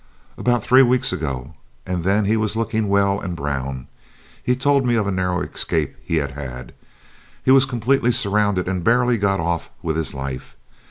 "About three weeks ago, and then he was looking well and brown. He told me of a narrow escape he had had. He was completely surrounded and barely got off with his life.